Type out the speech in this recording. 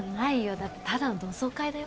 だってただの同窓会だよ？